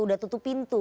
udah tutup pintu